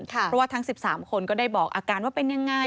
เพราะว่าทั้ง๑๓คนก็ได้บอกอาการว่าเป็นยังไง